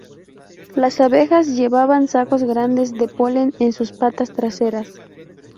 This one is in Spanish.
Las abejas llevaban sacos grandes de polen en sus patas traseras.